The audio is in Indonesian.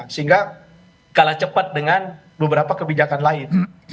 sehingga kalah cepat dengan beberapa kebijakan lain